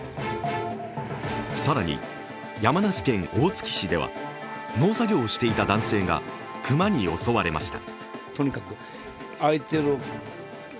更に、山梨県大月市では農作業をしていた男性が熊に襲われました。